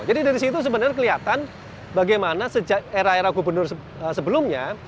jadi dari situ sebenarnya kelihatan bagaimana sejak era era gubernur sebelumnya